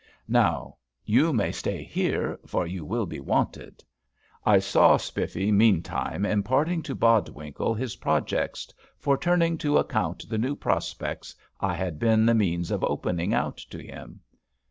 Now you may stay here, for you will be wanted." I saw Spiffy meantime imparting to Bodwinkle his projects for turning to account the new prospects I had been the means of opening out to him.